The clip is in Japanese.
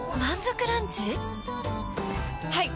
はい！